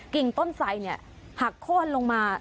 กิ่งต้นไซด์หักโค้นลงมา